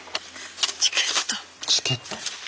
チケット？